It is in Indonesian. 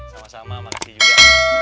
sama sama makasih juga